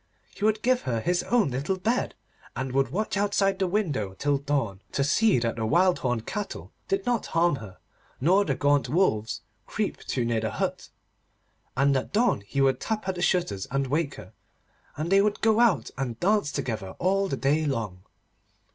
He would give her his own little bed, and would watch outside the window till dawn, to see that the wild horned cattle did not harm her, nor the gaunt wolves creep too near the hut. And at dawn he would tap at the shutters and wake her, and they would go out and dance together all the day long.